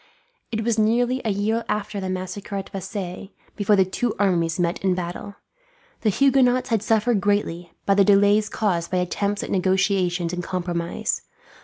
It was nearly a year after the massacre at Vassy before the two armies met in battle. The Huguenots had suffered greatly, by the delays caused by attempts at negotiations and compromise.